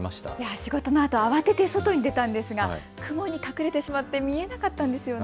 仕事のあと慌てて外に出たんですが雲に隠れてしまって見えなかったんですよね。